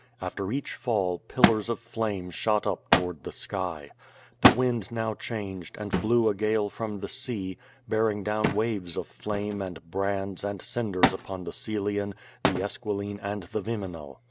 After each fall pillars of flame shot up toward the sky. The wind now changed, and blew a gale from the sea, bearing down waves of flame and brands and cinders upon the Coelian, the Esquiline and the Viminal.